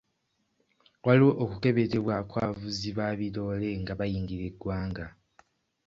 Waliwo okukeberebwa kw'abavuzi ba biroole nga bayingira eggwanga.